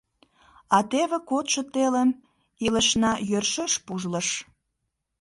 А теве кодшо телым илышна йӧршеш пужлыш.